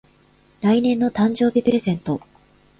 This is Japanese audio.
来年の誕生日プレゼント